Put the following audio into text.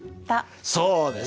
そうです！